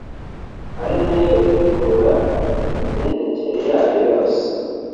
ari nayo itegura imigendekere yayo yose